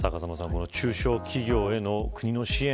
この中小企業への国の支援